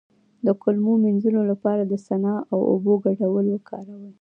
د کولمو د مینځلو لپاره د سنا او اوبو ګډول وکاروئ